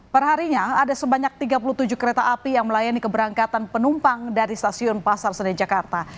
perharinya ada sebanyak tiga puluh tujuh kereta api yang melayani keberangkatan penumpang dari stasiun pasar senen jakarta